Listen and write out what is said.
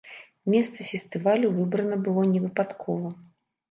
Месца фестывалю выбрана было невыпадкова.